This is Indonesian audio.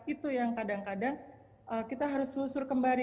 itu yang kadang kadang kita harus susur kembali